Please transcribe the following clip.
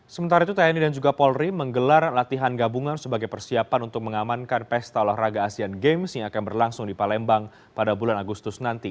sementara itu tni dan juga polri menggelar latihan gabungan sebagai persiapan untuk mengamankan pesta olahraga asean games yang akan berlangsung di palembang pada bulan agustus nanti